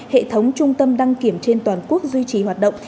hệ thống trung tâm đăng kiểm trên toàn quốc duy trì hoạt động